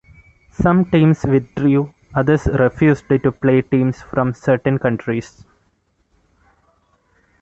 Some teams withdrew, others refused to play teams from certain countries.